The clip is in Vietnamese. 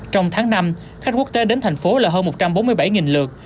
trong tháng năm khách quốc tế đến thành phố là hơn một trăm bốn mươi bảy lượt